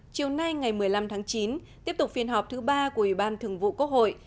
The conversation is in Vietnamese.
chiều nay ngày một mươi năm tháng chín tiếp tục phiên họp thứ ba của ủy ban thường vụ quốc hội